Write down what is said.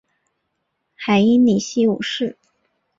海因里希五世。